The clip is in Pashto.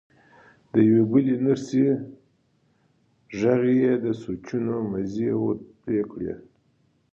د يوې بلې نرسې غږ يې د سوچونو مزی ور پرې کړ.